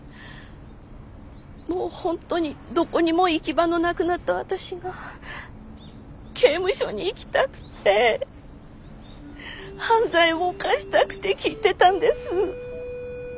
もう本当にどこにも行き場のなくなった私が刑務所に行きたくて犯罪を犯したくて聞いてたんです。